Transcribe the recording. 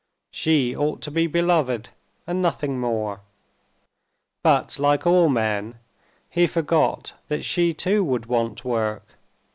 She ought to be beloved, and nothing more. But, like all men, he forgot that she too would want work.